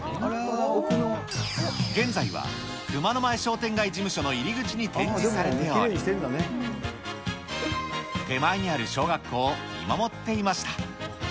現在は熊野前商店街事務所の入り口に展示されており、手前にある小学校を見守っていました。